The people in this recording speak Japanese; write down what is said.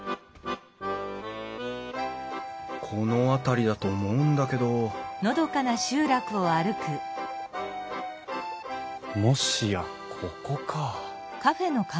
この辺りだと思うんだけどもしやここか。